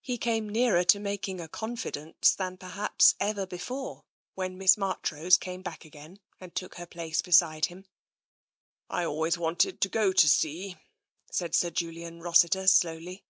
He came nearer to making a confidence than per haps ever before when Miss Marchrose came back again, and took her place beside him. " I always wanted to go to sea," said Sir Julian Rossiter slowly.